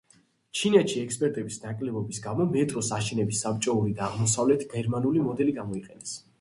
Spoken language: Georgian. ჩინეთში ექსპერტების ნაკლებობის გამო მეტროს აშენების საბჭოური და აღმოსავლეთ გერმანული მოდელი გამოიყენეს.